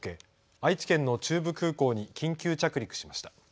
愛知県の中部空港に緊急着陸しました。